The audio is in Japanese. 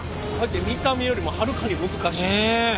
見た目よりもはるかに難しい。